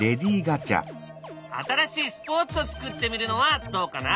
新しいスポーツを作ってみるのはどうかな？